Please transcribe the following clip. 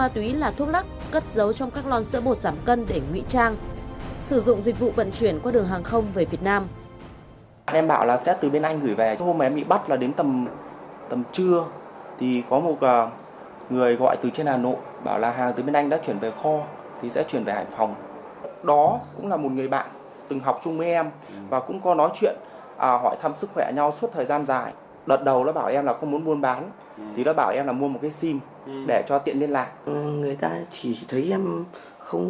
trong đường dây mua bán chúng mua ma túy là thuốc lắc cất dấu trong các lon sữa bột giảm cân để ngụy trang